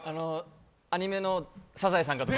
アニメの「サザエさん」かと。